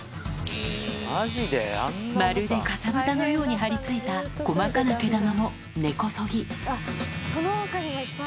まるでかさぶたのように張り付いた細かな毛玉も根こそぎその他にもいっぱい。